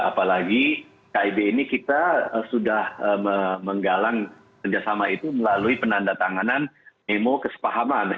apalagi kib ini kita sudah menggalang kerjasama itu melalui penanda tanganan memo kesepahaman